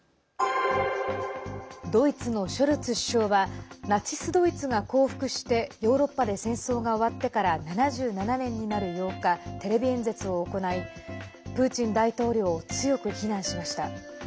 ドイツのショルツ首相はナチス・ドイツが降伏してヨーロッパで戦争が終わってから７７年になる８日テレビ演説を行いプーチン大統領を強く非難しました。